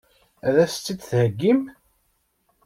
Ad as-tt-id-theggim?